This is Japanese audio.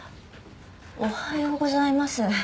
おはようございます。